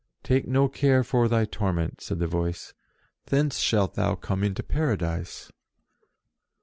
"Take no care for thy torment," said the Voice ;" thence shalt thou come into Paradise."